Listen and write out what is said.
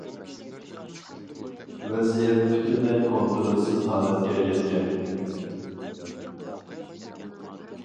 ۋەزىيەت پۈتۈنلەي كونترولسىز ھالەتكە يەتكەن.